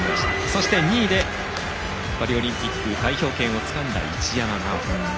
そして２位でパリオリンピック代表権をつかんだ一山麻緒。